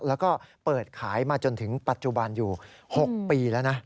แล้วก็เปิดขายมาจนถึงปัจจุบันอยู่๖ปีแล้วนะ